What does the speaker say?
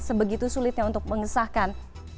sebegitu sulitnya untuk mengesahkan